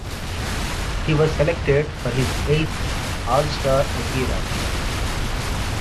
He was selected for his eighth All-Star appearance.